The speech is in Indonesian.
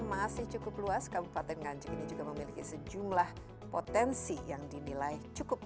masih cukup luas kabupaten nganjuk ini juga memiliki sejumlah potensi yang dinilai cukup